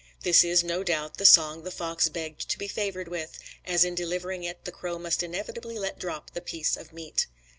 This is, no doubt, the song the fox begged to be favored with, as in delivering it the crow must inevitably let drop the piece of meat.